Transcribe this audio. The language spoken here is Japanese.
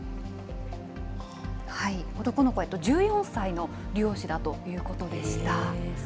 男の子は１４歳の理容師だということでした。